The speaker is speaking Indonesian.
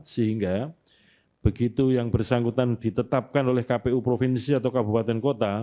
sehingga begitu yang bersangkutan ditetapkan oleh kpu provinsi atau kabupaten kota